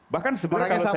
bahkan sebenarnya kalau saya